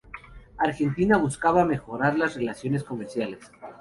Argentina buscaba mejorar las relaciones comerciales.